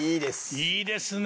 いいですね！